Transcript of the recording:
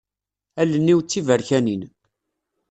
Allen-iw d tiberkanin.